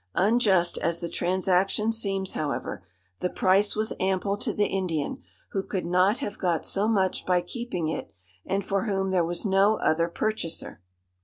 Unjust as the transaction seems, however, the price was ample to the Indian, who could not have got so much by keeping it, and for whom there was no other purchaser.